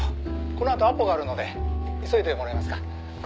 「このあとアポがあるので急いでもらえますか？」